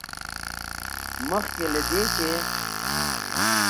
مخکې له دې، چې